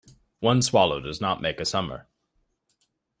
One swallow does not make a summer.